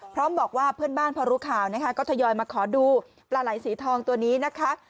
พร้อมบอกว่าเพื่อนบ้านพอรู้ข่าวนะคะก็ทยอยมาขอดูปลาไหล่สีทองตัวนี้นะคะ